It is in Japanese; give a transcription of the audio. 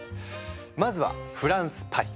まずはフランスパリ。